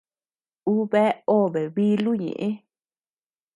Ú bea obe bílu ñeʼe.